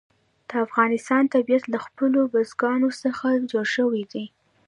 د افغانستان طبیعت له خپلو بزګانو څخه جوړ شوی دی.